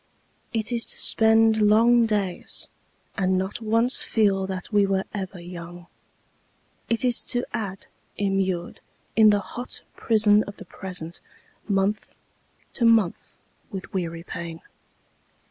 It is to spend long days And not once feel that we were ever young; It is to add, immured In the hot prison of the present, month To month with weary pain.